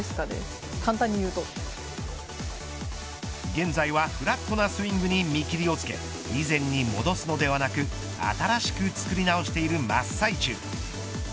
現在はフラットなスイングに見切りをつけ以前に戻すのではなく新しくつくり直している真っ最中。